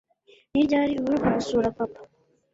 Ni ryari uheruka gusura papa